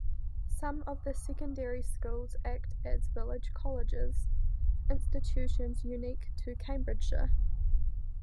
Some of the secondary schools act as Village Colleges, institutions unique to Cambridgeshire.